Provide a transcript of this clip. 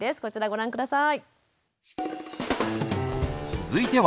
こちらご覧下さい。